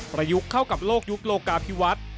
ประยุกต์เข้ากับโลกยุคโลกาพิวัติ